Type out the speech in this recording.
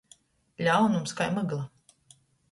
Ļaunums kai mygla.